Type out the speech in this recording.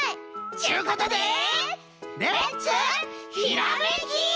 っちゅうことでレッツひらめき！